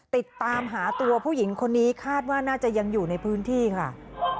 ติดตามหาตัวผู้หญิงคนนี้คาดว่าน่าจะยังอยู่ในพื้นที่ค่ะ